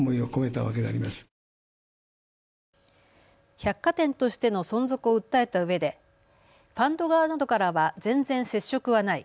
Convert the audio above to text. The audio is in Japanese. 百貨店としての存続を訴えたうえでファンド側などからは全然、接触はない。